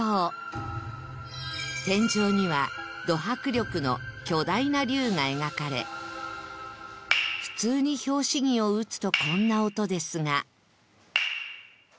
天井にはど迫力の巨大な龍が描かれ普通に拍子木を打つとこんな音ですが